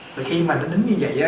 và khi mà nó nín như vậy á